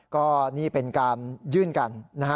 ก็นี่เป็นการยื่นกันนะฮะ